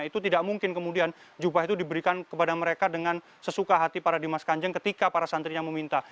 itu tidak mungkin kemudian jubah itu diberikan kepada mereka dengan sesuka hati para dimas kanjeng ketika para santrinya meminta